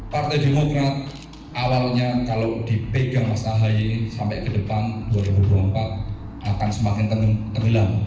partai demokrat awalnya kalau dipegang mas ahy sampai ke depan dua ribu dua puluh empat akan semakin tenggelam